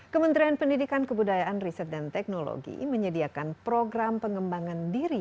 kementerian pendidikan kebudayaan riset dan teknologi menyediakan program pengembangan diri